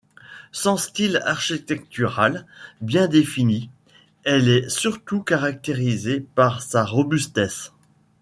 Sans style architectural bien défini, elle est surtout caractérisée par sa robustesse.